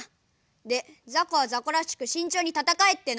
でザコはザコらしく慎重に戦えっての。